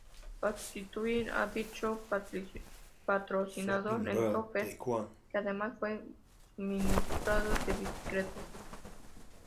Para sustituir a dicho patrocinador entró Felt que además fue suministrador de bicicletas.